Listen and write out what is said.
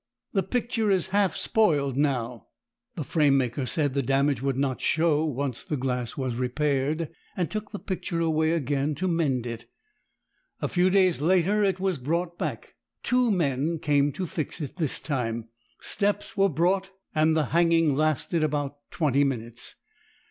The picture is half spoiled now." The framemaker said the damage would not show once the glass was repaired, and took the picture away again to mend it. A few days later it was brought back. Two men came to fix it this time; steps were brought and the hanging lasted about twenty minutes.